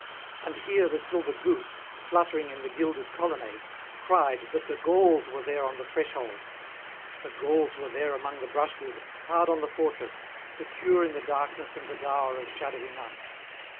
And here the silver goose, fluttering in the gilded colonnades, cried that the Gauls were there on the threshold. The Gauls were there among the brushwood, hard on the fortress, secure in the darkness and the dower of shadowy night.